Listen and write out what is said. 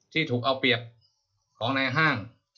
ที่ถูกเอาเปรียบของในห้าง